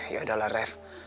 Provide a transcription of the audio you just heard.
ya adalah ref